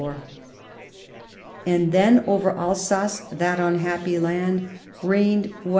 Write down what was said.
N 193 Bismarck And then over Alsace, that unhappy land, reigned what M.